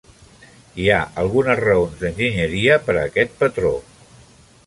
Hi ha algunes raons d'enginyeria per a aquest patró.